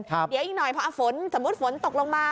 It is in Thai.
เดี๋ยวอีกหน่อยพอฝนสมมุติฝนตกลงมา